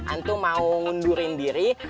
antum mau ngundurin diri